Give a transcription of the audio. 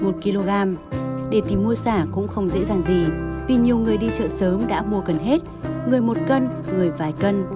để tìm mua sả cũng không dễ dàng gì vì nhiều người đi chợ sớm đã mua cần hết người một kg người vài cân